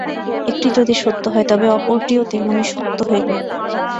একটি যদি সত্য হয়, তবে অপরটিও তেমনি সত্য হইবে।